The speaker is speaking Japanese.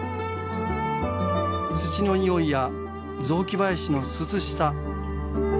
土の匂いや雑木林の涼しさ。